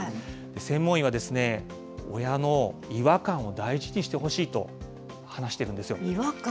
専門医は、親の違和感を大事にしてほしいと話しているんですよ。